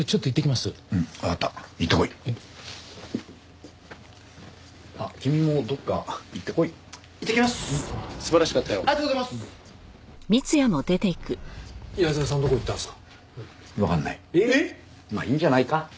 まあいいんじゃないか？